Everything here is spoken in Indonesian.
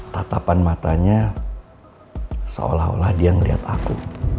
tatapan matanya seolah olah dia melihat aku